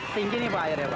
tinggi nih pak airnya pak